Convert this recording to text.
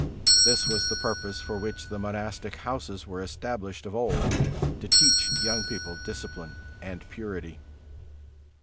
This was the purpose for which the monastic houses were established of old, to teach young people discipline and purity.